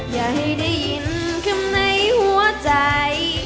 อย่าให้ได้ยินคำในหัวใจ